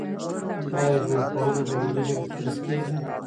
آیا ژوندپوهنه په ملي ژبه تدریس کیږي؟